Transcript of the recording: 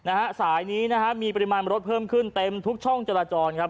นะฮะสายนี้นะฮะมีปริมาณรถเพิ่มขึ้นเต็มทุกช่องจราจรครับ